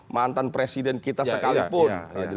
mantan presiden kita sekalipun